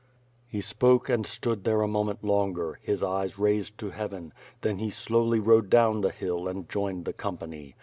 He spoke and stood there a moment longer, his eyes raised to Heaven; then he slowly rode down the hill and joined the company.